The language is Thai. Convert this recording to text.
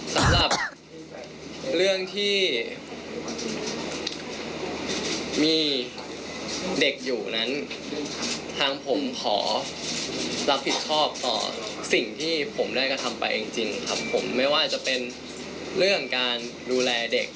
สำหรับเรื่องที่มีเด็กอยู่นั้นทางผมขอรับผิดชอบต่อสิ่งที่ผมได้กระทำไปจริงครับผมไม่ว่าจะเป็นเรื่องการดูแลเด็ก